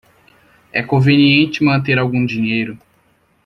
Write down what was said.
É conveniente manter algum dinheiro.